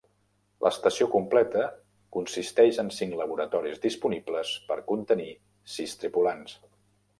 L'estació completa consisteix en cinc laboratoris disponibles per contenir sis tripulants.